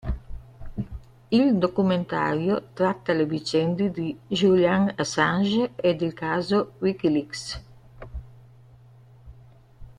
Il documentario tratta le vicende di Julian Assange ed il caso WikiLeaks.